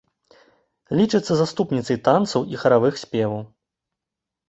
Лічыцца заступніцай танцаў і харавых спеваў.